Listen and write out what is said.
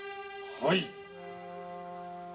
はい。